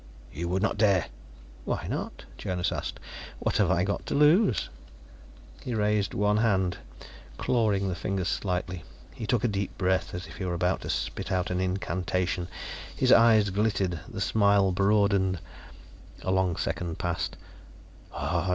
"You would not dare " "Why not?" Jonas asked. "What have I got to lose?" He raised one hand, clawing the fingers slightly. He took a deep breath, as if he were about to spit out an incantation. His eyes glittered. The smile broadened. A long second passed.